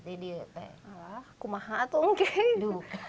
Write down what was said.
kamu sudah belajar